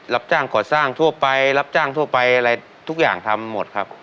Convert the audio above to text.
รับจ้างก่อสร้างทั่วไปรับจ้างทั่วไปอะไรทุกอย่างทำหมดครับ